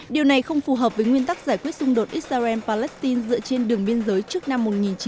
điều này không phù hợp với nguyên tắc giải quyết xung đột israel palestine dựa trên đường biên giới trước năm một nghìn chín trăm bảy mươi